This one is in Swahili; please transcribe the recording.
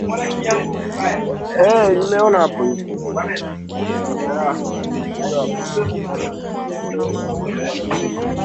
waliweza kusali kwao nyumbani na katika makanisa na